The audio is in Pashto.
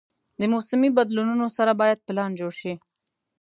د موسمي بدلونونو سره باید پلان جوړ شي.